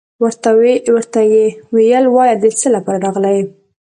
ورته يې ويل وايه دڅه لپاره راغلى يي.